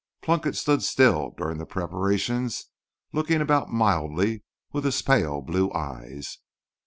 Plunkett stood still during the preparations, looking about mildly with his pale blue eyes.